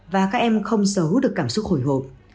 và các em không sở hữu được cảm xúc hồi hộp